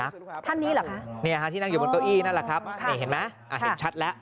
ค่ะใช่ค่ะนี่เห็นแหละ